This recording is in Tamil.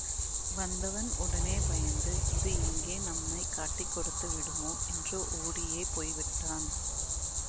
வந்தவன் உடனே பயந்து, இது எங்கே நம்மைக் காட்டிக் கொடுத்து விடுமோ என்று ஒடியே போய்விட்டான்.